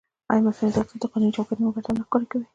ایا مصنوعي ځیرکتیا د قانوني چوکاټ نیمګړتیا نه ښکاره کوي؟